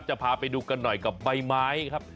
จะพาไปดูกันหน่อยกับใบไม้ครับ